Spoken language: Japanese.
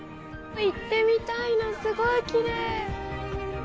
行ってみたいなすごいきれい！